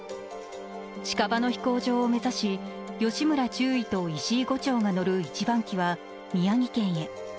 近場の飛行場を目指し吉村中尉と石井伍長が乗る１番機は宮城県へ。